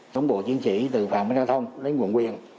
tổng bộ chiến trị từ phòng trang thông đến nguồn quyền